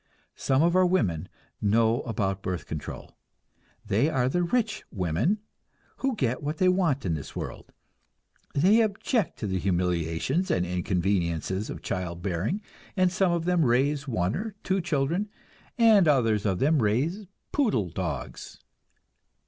Some of our women know about birth control. They are the rich women, who get what they want in this world. They object to the humiliations and inconveniences of child bearing, and some of them raise one or two children, and others of them raise poodle dogs.